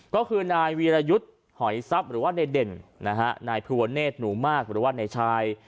ก็คือนายวีรยุทธ์หอยทรัพย์หรือว่าในเด่นนะฮะนายภูวะเนธหนูมากหรือว่านายชาย